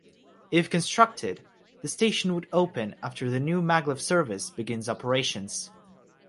If constructed, the station would open after the new maglev service begins operations.